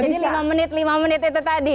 jadi lima menit lima menit itu tadi